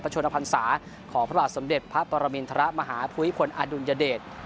ชนพันศาของพระบาทสมเด็จพระปรมินทรมาฮาภูมิพลอดุลยเดช